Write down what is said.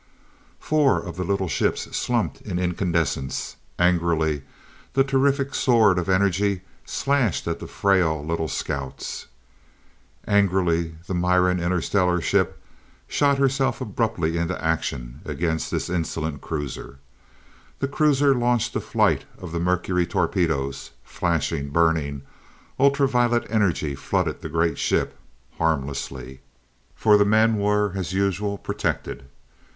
Four of the little ships slumped in incandescence. Angrily the terrific sword of energy slashed at the frail little scouts. Angrily the Miran interstellar ship shot herself abruptly into action against this insolent cruiser. The cruiser launched a flight of the mercury torpedoes. Flashing, burning, ultra violet energy flooded the great ship, harmlessly, for the men were, as usual, protected.